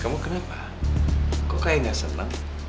kamu kenapa kok kayak gak senang